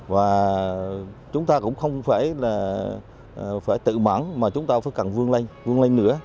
và chúng ta cũng không phải là phải tự mắng mà chúng ta phải cần vương linh vương linh nữa